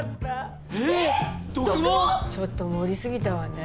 ちょっと盛りすぎたわね。